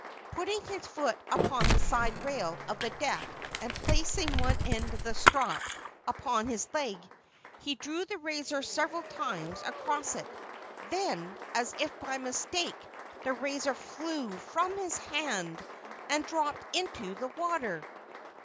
Putting his foot upon the side rail of the deck, and placing one end of the strop upon his leg, he drew the razor several times across it. Then, as if by mistake, the razor flew from his hand, and dropped into the water!